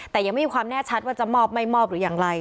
แต่ยังไม่มีความแน่ชัดว่าจะมอบไม่มอบหรืออย่างไร